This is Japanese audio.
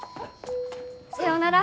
さようなら。